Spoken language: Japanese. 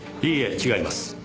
いいえ違います。